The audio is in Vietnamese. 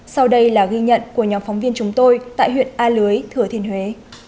sau đây là ghi nhận của nhóm phóng viên chúng tôi tại huyện a lưới thừa thiên huế